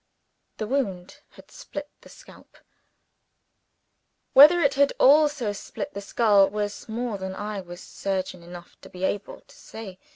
The wound had split the scalp. Whether it had also split the skull was more than I was surgeon enough to be able to say.